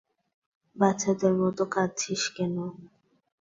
বাচ্চাদের মতো কাঁদছিস কেন?